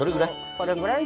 これぐらい？